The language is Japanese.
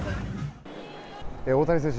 大谷選手